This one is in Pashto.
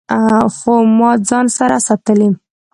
خو ما ځان سره ساتلي